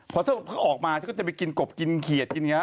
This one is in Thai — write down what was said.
พอเขาออกมาก็จะไปกินกบกินเขียดกินอย่างนี้